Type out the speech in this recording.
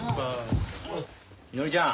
みのりちゃん。